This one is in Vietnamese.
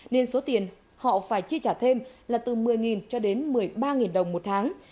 nên số tiền họ phải chi trả thêm là từ một mươi một mươi ba đồng một tháng